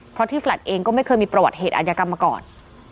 เพราะที่แลตเองก็ไม่เคยมีประวัติเหตุอาจยากรรมมาก่อน